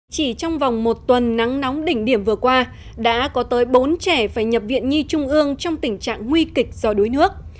chỉ trong vòng một tuần nắng nóng đỉnh điểm vừa qua đã có tới bốn trẻ phải nhập viện nhi trung ương trong tình trạng nguy kịch do đuối nước